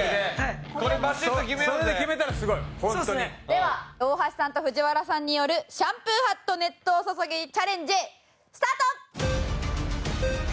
では大橋さんと藤原さんによるシャンプーハット熱湯注ぎチャレンジスタート！